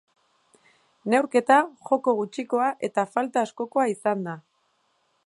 Neurketa joko gutxikoa eta falta askokoa izan da.